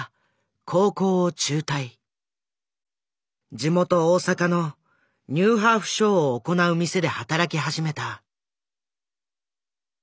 地元・大阪のニューハーフショーを行う店で働き始めた。